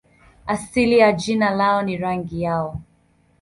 Asili ya jina lao ni rangi yao.